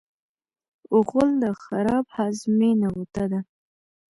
غول د خراب هاضمې نغوته ده.